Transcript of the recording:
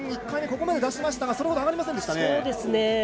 １回目、ここまで出しましたがそれほど上がりませんでしたね。